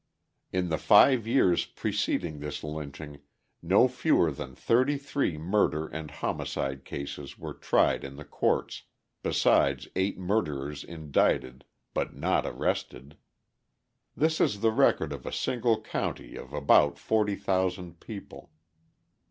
In the five years preceding this lynching, no fewer than thirty three murder and homicide cases were tried in the courts, besides eight murderers indicted, but not arrested. This is the record of a single county of about forty thousand people.